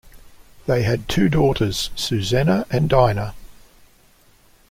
They had two daughters, Susanna and Dinah.